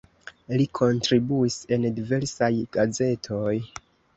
Li kontribuis en diversaj gazetoj.